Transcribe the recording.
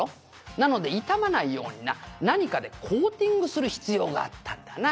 なので傷まないようにな何かでコーティングする必要があったんだな」